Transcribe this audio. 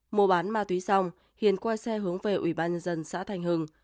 mua bán ma túy xong hiền quay xe hướng về ủy ban dân xã thanh hưng